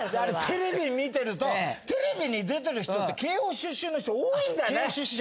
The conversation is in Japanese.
テレビ見てるとテレビに出てる人って慶應出身の人多いんだね。